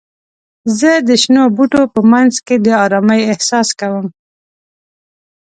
زه د شنو بوټو په منځ کې د آرامۍ احساس کوم.